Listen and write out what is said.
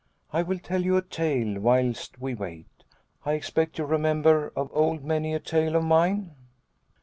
I will tell you a tale whilst we wait. I expect you remember of old many a tale of mine."